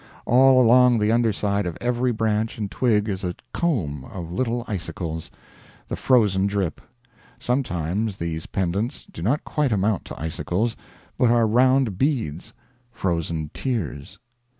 All along the underside of every branch and twig is a comb of little icicles the frozen drip. Sometimes these pendants do not quite amount to icicles, but are round beads frozen tears.